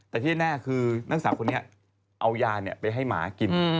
แต่ที่แน่คือนักศึกษาคนนี้เอายาไปให้หมากิน